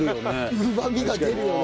うまみが出るよね。